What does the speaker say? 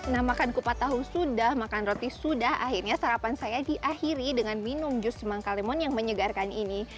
nah makan kupat tahu sudah makan roti sudah akhirnya sarapan saya diakhiri dengan minum jus semangkalimun yang menyegarkan ini